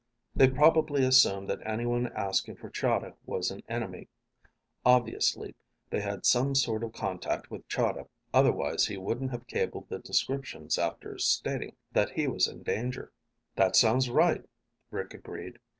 They probably assumed that anyone asking for Chahda was an enemy. Obviously, they had some sort of contact with Chahda, otherwise he wouldn't have cabled the descriptions after stating that he was in danger." "That sounds right," Rick agreed.